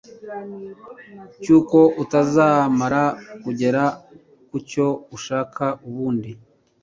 cyuko utazamara kugera kucyo ushaka ubundi